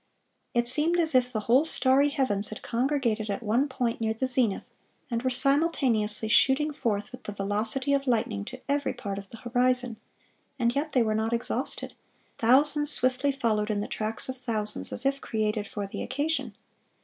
It seemed as if the whole starry heavens had congregated at one point near the zenith, and were simultaneously shooting forth, with the velocity of lightning, to every part of the horizon; and yet they were not exhausted—thousands swiftly followed in the tracks of thousands, as if created for the occasion."